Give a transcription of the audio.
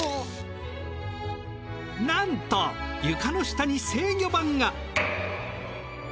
なんと床の下に制御盤が。